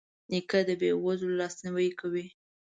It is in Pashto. نیکه د بې وزلو لاسنیوی کوي.